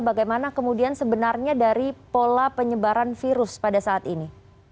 bagaimana kemudian sebenarnya dari pola penyebaran virus pada saat ini